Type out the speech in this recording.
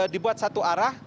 dibuat satu arah